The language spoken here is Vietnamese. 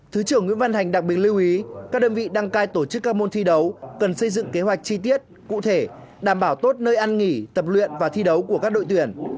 thứ trưởng nguyễn văn thành đặc biệt lưu ý các đơn vị đăng cai tổ chức các môn thi đấu cần xây dựng kế hoạch chi tiết cụ thể đảm bảo tốt nơi ăn nghỉ tập luyện và thi đấu của các đội tuyển